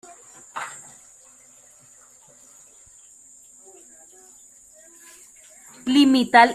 Limita al Este con Salou y al Norte con Vilaseca.